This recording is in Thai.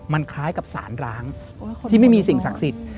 มันคล้ายกับสารร้างที่ไม่มีสิ่งศักดิ์สิทธิ์